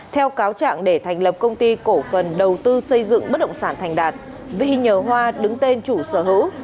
theo cáo trạng để thành lập công ty cổ phần đầu tư xây dựng bất động sản thành đạt vi nhờ hoa đứng tên chủ sở hữu